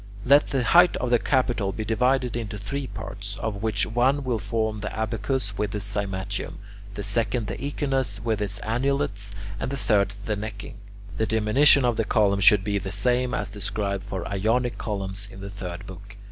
Let the height of the capital be divided into three parts, of which one will form the abacus with its cymatium, the second the echinus with its annulets, and the third the necking. The diminution of the column should be the same as described for Ionic columns in the third book.